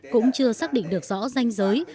cũng chưa xác định được rõ danh giới